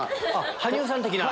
羽生さん的な。